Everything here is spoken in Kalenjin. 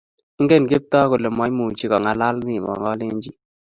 Ingen Kiptoo kole maimuchi kong'alal Memo Kalenjin.